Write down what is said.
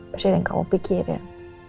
pasti ada yang kamu pikirin